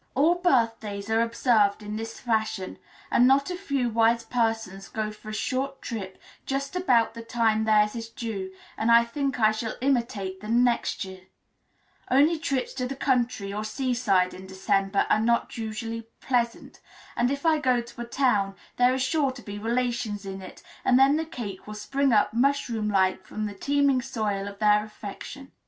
All birthdays are observed in this fashion, and not a few wise persons go for a short trip just about the time theirs is due, and I think I shall imitate them next year; only trips to the country or seaside in December are not usually pleasant, and if I go to a town there are sure to be relations in it, and then the cake will spring up mushroom like from the teeming soil of their affection.